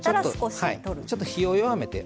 ちょっと火を弱めて。